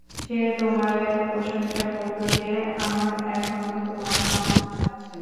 সে তোমার এতো প্রশংসা করত যে আমার এখনও তোমার নাম মনে আছে।